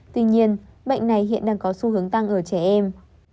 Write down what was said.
tuy nhiên bệnh này hiện đang có xu hướng tăng ở trẻ em